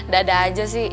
dada aja sih